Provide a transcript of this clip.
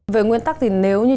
về nguyên tắc thì nếu như